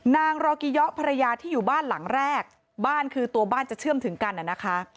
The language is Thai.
รอกิเยาะภรรยาที่อยู่บ้านหลังแรกบ้านคือตัวบ้านจะเชื่อมถึงกันน่ะนะคะ